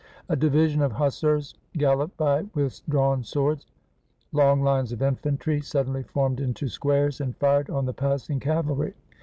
A division of hussars galloped by with drawn swords: long lines of infantry suddenly formed into squares, and fired on the passing cavalry.